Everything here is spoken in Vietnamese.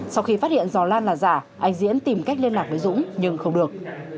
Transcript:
sau khi phát hiện giò lan là giả anh diễn tìm cách liên lạc với dũng nhưng không được